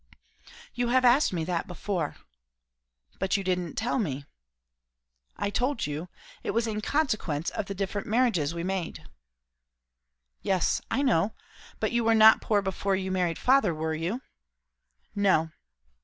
"You have asked me that before." "But you didn't tell me." "I told you, it was in consequence of the different marriages we made." "Yes, I know. But you were not poor before you married father, were you?" "No."